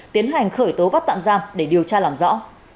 tiến hành khởi tố bắt tạm giam để điều tra làm rõ